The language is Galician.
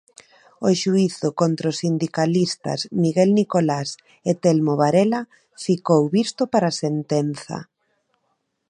O xuízo contra os sindicalistas Miguel Nicolás e Telmo Varela ficou visto para sentenza.